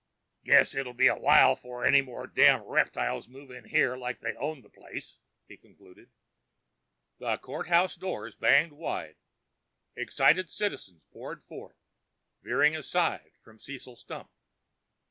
"Guess it'll be a while 'fore any more damned reptiles move in here like they owned the place," he concluded. The courthouse doors banged wide; excited citizens poured forth, veering aside from Cecil Stump.